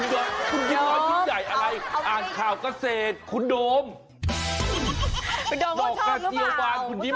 กันกันสิ